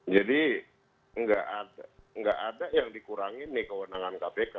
jadi enggak ada yang dikurangi nih kewenangan kpk